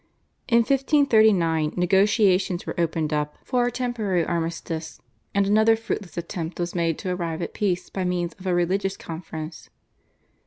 In 1539 negotiations were opened up for a temporary armistice, and another fruitless attempt was made to arrive at peace by means of a religious conference.